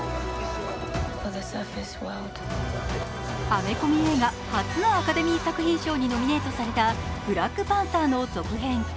アメコミ映画初のアカデミー作品賞にノミネートされた「ブラックパンサー」の続編。